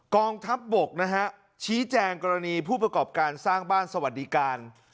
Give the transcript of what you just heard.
กองทัพบกนะฮะชี้แจงกรณีผู้ประกอบการสร้างบ้านสวัสดิการ